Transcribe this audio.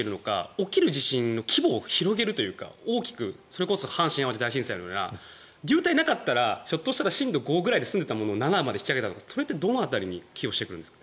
起きる地震の規模を広げるというか大きくそれこそ阪神・淡路大震災のような流体がなかったらひょっとしたら震度５くらいで済んでいたものを７まで引き上げたとかそれってどの辺りに寄与してくるんですか？